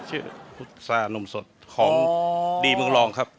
เชื่อพุทธศาสตร์นมสดของดีเมืองรองครับ